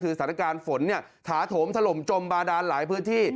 คือสถานการณ์ฝนถาโถมถล่มจมบาดานหลายพื้นที่